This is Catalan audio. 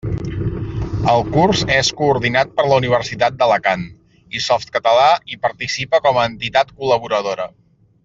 El curs és coordinat per la Universitat d'Alacant, i Softcatalà hi participa com a entitat col·laboradora.